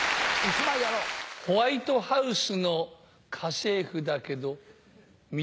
ホワイトハウスの家政婦だけえ？